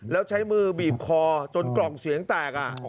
แล้วใช้มือบีบคอจนกล่องเสียงแตก